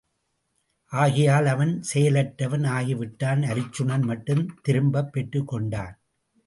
ஆகையால் அவன் செயலற்றவன் ஆகிவிட்டான், அருச்சுனன் மட்டும் திரும்பப் பெற்றுக் கொண்டான்.